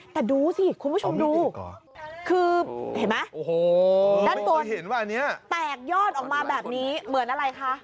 แต่ดูสิคุณผู้ชมดูคือเห็นไหมด้านตัวแตกยอดออกมาแบบนี้เหมือนอะไรคะ